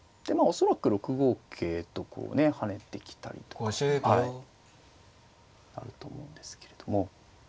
恐らく６五桂とこうね跳ねてきたりとかはいあると思うんですけれども。